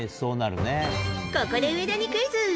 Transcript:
ここで上田にクイズ！